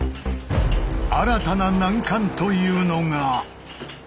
新たな難関というのが。